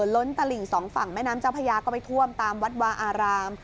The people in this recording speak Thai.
ล้นตลิ่งสองฝั่งแม่น้ำเจ้าพญาก็ไปท่วมตามวัดวาอาราม